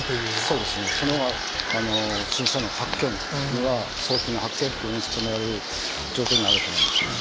そうですね、そのほうが、不審者の発見には、早期の発見に努められる状況にはあると思いますけど。